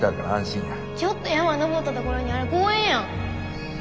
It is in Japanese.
ちょっと山登った所にある公園やん。